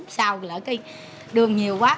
sau lại cái đương nhiều quá